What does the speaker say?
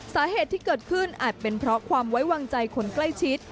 สาเหตุที่เกิดขึ้นอาจเป็นเพราะความไว้วางใจคนใกล้ชิด